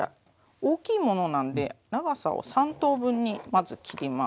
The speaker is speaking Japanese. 大きいものなんで長さを３等分にまず切ります。